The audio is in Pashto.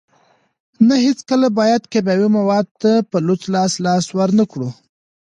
نه هیڅکله باید کیمیاوي موادو ته په لوڅ لاس لاس ورنکړو.